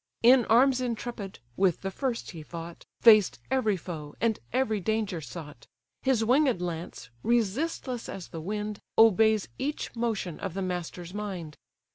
In arms intrepid, with the first he fought, Faced every foe, and every danger sought; His winged lance, resistless as the wind, Obeys each motion of the master's mind!